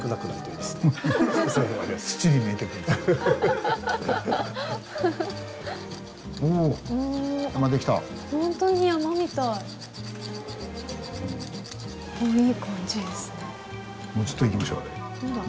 いい感じですね。